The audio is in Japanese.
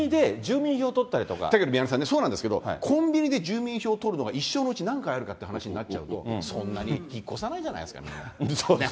だけど宮根さんね、コンビニで住民票取るのが、一生のうち何回あるかっていう話になっちゃうと、そんなに引っ越さないじゃないですか。